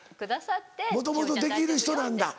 もともとできる人なんだ？